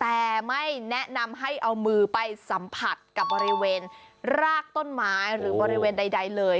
แต่ไม่แนะนำให้เอามือไปสัมผัสกับบริเวณรากต้นไม้หรือบริเวณใดเลย